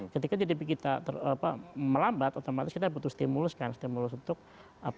ketika gdp kita melambat otomatis kita butuh stimulus untuk kegiatan investasi atau kegiatan investasi dalam negeri